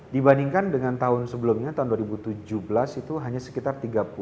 dibandingkan dengan tahun sebelumnya tahun dua ribu tujuh belas itu hanya sekitar tiga puluh delapan tiga puluh sembilan